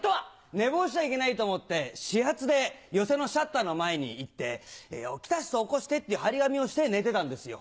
寝坊しちゃいけないと思って始発で寄席のシャッターの前に行って「来た人起こして」っていう張り紙をして寝てたんですよ。